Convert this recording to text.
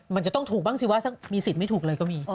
มันจะต้องถูกบ้างสิวะมีสิทธิ์ไม่ถูกเลยก็มี